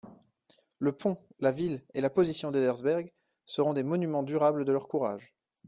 Le pont, la ville, et la position d'Ebersberg, serons des monumens durables de leur courage.